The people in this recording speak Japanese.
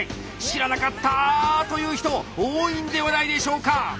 知らなかった！という人多いんではないでしょうか！